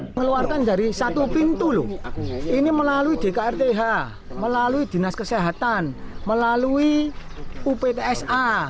mengeluarkan dari satu pintu loh ini melalui dkrth melalui dinas kesehatan melalui uptsa